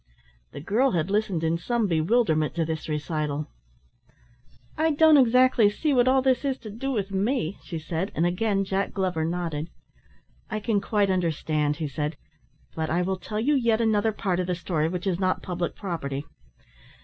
The girl had listened in some bewilderment to this recital. "I don't exactly see what all this is to do with me," she said, and again Jack Glover nodded. "I can quite understand," he said, "but I will tell you yet another part of the story which is not public property.